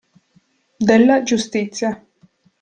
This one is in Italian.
Della giustizia.